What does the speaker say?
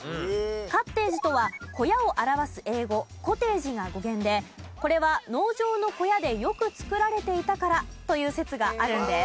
「カッテージ」とは小屋を表す英語「コテージ」が語源でこれは農場の小屋でよく作られていたからという説があるんです。